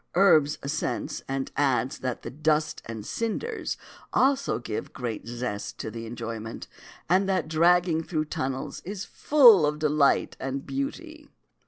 Urbs assents, and adds that the dust and cinders also give great zest to the enjoyment, and that dragging through tunnels is full of delight and beauty.